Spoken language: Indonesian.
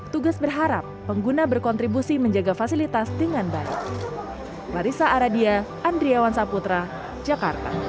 tugas berharap pengguna berkontribusi menjaga fasilitas dengan baik